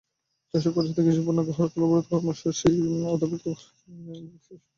কৃষক বাঁচাতে কৃষিপণ্যকে হরতাল-অবরোধ কর্মসূচির আওতামুক্ত রাখার দাবি জানিয়েছে বাংলাদেশ কৃষক সমিতি।